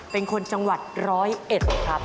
เป็นคนจังหวัด๑๐๑ครับ